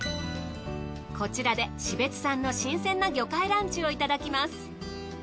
こちらで標津産の新鮮な魚介ランチをいただきます。